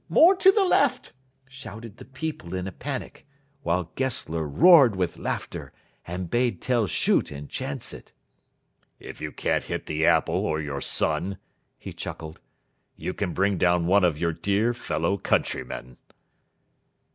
More to the left!" shouted the people in a panic, while Gessler roared with laughter, and bade Tell shoot and chance it. "If you can't hit the apple or your son," he chuckled, "you can bring down one of your dear fellow countrymen."